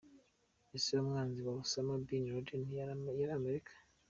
Ese umwanzi wa Osama Bin Laden yari Amerika?.